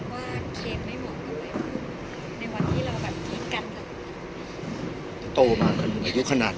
พี่อัดมาสองวันไม่มีใครรู้หรอก